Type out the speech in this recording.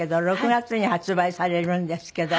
６月に発売されるんですけど。